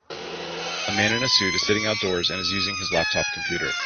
A man in a suit is sitting outdoors and is using his laptop computer.